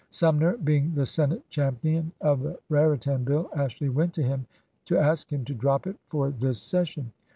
Sumner being the Senate champion of the Raritan bill, Ashley went to him to ask him to drop it for this session.